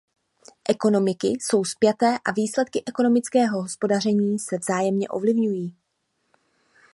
Ekonomiky jsou spjaté a výsledky ekonomického hospodaření se vzájemně ovlivňují.